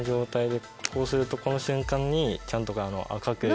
こうするとこの瞬間にちゃんと赤く。